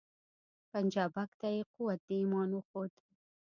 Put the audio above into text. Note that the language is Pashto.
پنجابک ته یې قوت د ایمان وښود